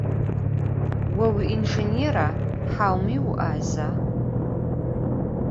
Vo vuinjjênêra, haumi vu'aza?